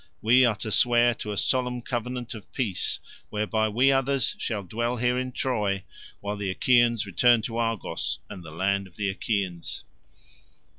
We are to swear to a solemn covenant of peace whereby we others shall dwell here in Troy, while the Achaeans return to Argos and the land of the Achaeans."